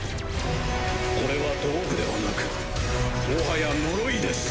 これは道具ではなくもはや呪いです。